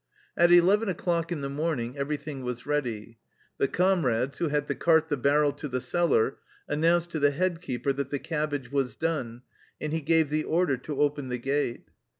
At eleven o'clock in the morning everything was ready. The comrades who had to cart the barrel to the cellar announced to the head keeper that the cabbage was done, and he gave the order to open the gate.